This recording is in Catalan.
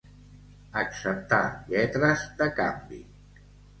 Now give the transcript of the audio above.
Acceptar lletres de canvi.